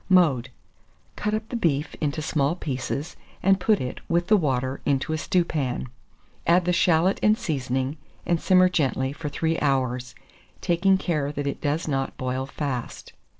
Mode. Cut up the beef into small pieces, and put it, with the water, into a stewpan. Add the shalot and seasoning, and simmer gently for 3 hours, taking care that it does not boil fast.